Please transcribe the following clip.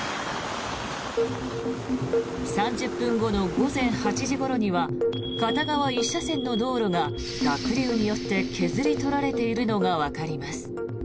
３０分後の午前８時ごろには片側１車線の道路が濁流によって削り取られているのがわかります。